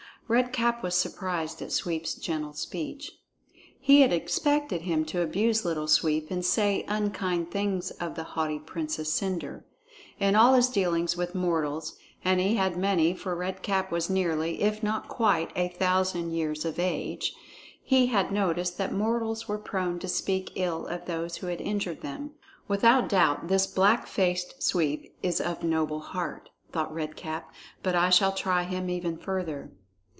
Red Cap was surprised at Sweep's gentle speech. He had expected him to abuse Little Sweep and say unkind things of the haughty Princess Cendre. In all his dealings with mortals (and he had many, for Red Cap was nearly, if not quite, a thousand years of age), he had noticed that mortals were prone to speak ill of those who had injured them. "Without doubt this black faced Sweep is of noble heart," thought Red Cap, "but I shall try him even further."